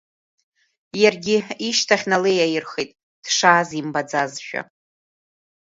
Иаргьы ишьҭахь налеиаирхеит, дшааз имбаӡазшәа.